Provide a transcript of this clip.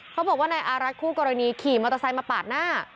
เขาบอกว่านายอารักษ์คู่กรณีขี่มอเตอร์ไซค์มาปาดหน้า